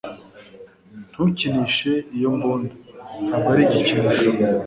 Ntukinishe iyo mbunda, ntabwo ari igikinisho.